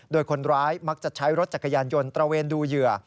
โดยคนร้ายมักจะใช้รถจักรยานยนต์ตระเวนดูเหยื่อ